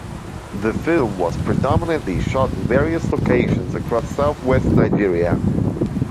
The film was predominantly shot in various locations across Southwest Nigeria.